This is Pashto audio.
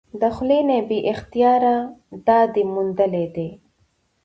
د خلي نه بې اختياره داد ئې موندلے دے ۔